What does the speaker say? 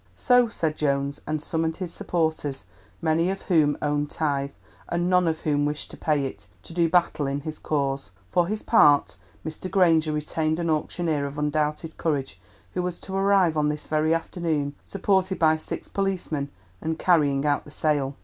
So said Jones, and summoned his supporters, many of whom owed tithe, and none of whom wished to pay it, to do battle in his cause. For his part, Mr. Granger retained an auctioneer of undoubted courage who was to arrive on this very afternoon, supported by six policemen, and carry out the sale.